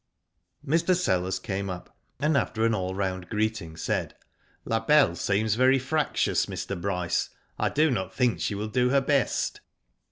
Mr. Sellers came up, and after an all round greeting, said: " La Belle seems very fractious, Mr. Bryce, I do not think she will do her best."